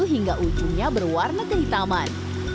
hingga ujungnya berwarna kehitaman